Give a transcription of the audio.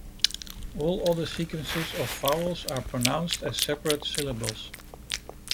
All other sequences of vowels are pronounced as separate syllables.